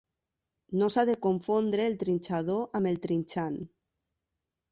No s'ha de confondre el trinxador amb el trinxant.